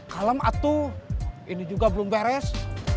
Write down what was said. kalam atu ini juga belum beres